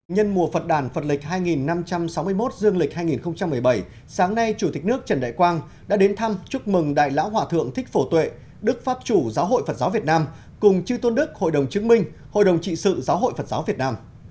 nhân mùa phật đàn phật lịch hai năm trăm sáu mươi một dương lịch hai nghìn một mươi bảy sáng nay chủ tịch nước trần đại quang đã đến thăm chúc mừng đại lão hòa thượng thích phổ tuệ đức pháp chủ giáo hội phật giáo việt nam cùng chư tôn đức hội đồng chứng minh hội đồng trị sự giáo hội phật giáo việt nam